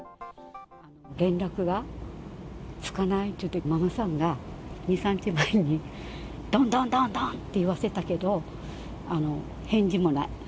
連絡がつかないっていって、ママさんが２、３日前に、どんどんどんどんっていわせたけど、返事もない。